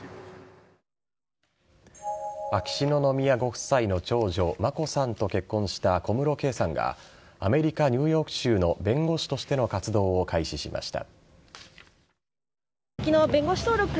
秋篠宮ご夫妻の長女眞子さんと結婚した小室圭さんがアメリカ・ニューヨーク州の弁護士としての活動を開始しました。